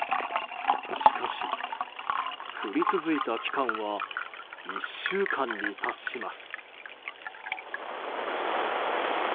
しかし、降り続いた期間は１週間に達します。